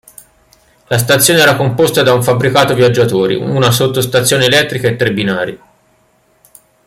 La stazione era composta da un fabbricato viaggiatori, una sottostazione elettrica e tre binari.